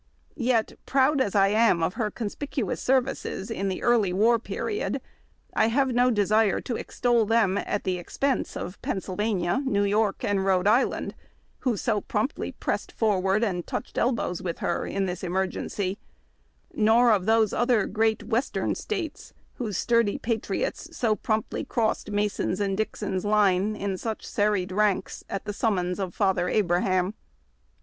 Yet, proud as I am of her conspicuous services in the earl}^ war period, I have no desire to extol thein at the expense of Pennsylvania, New York, and Rhode Island, who so promptly pressed forward and touched elbows with her in this emer gency ; nor of those other great Western States, whose sturdy patriots so promptly crossed Mason's and Dixon's line in such serried ranks at the summons of Father Abraham.